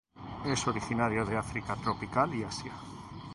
Es originario de África tropical y Asia.